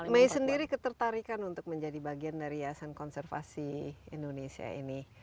mei sendiri ketertarikan untuk menjadi bagian dari yasan konservasi indonesia ini